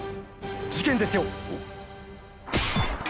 事件ですよ。